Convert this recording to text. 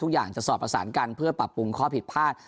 ทุกอย่างจะสอบประสานกันเพื่อปรับปรุงข้อผิดพลาด